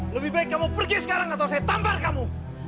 lebih baik kamu pergi sekarang atau saya tambah kamu